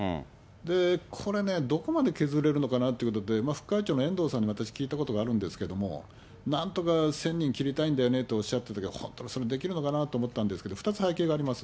で、これね、どこまで削れるのかなっていうことで、副会長のえんどうさんに、私聞いたことがあるんですけども、なんとか１０００人切りたいんだよねっておっしゃったときは、本当にそれできるのかなと思ったんですが、２つ背景があります。